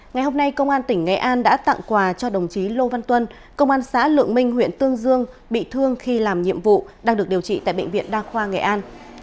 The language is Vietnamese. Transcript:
ngày hôm nay công an tỉnh nghệ an đã tặng quà cho đồng chí lô văn tuân công an xã lượng minh huyện tương dương bị thương khi làm nhiệm vụ đang được điều trị tại bệnh viện đa khoa nghệ an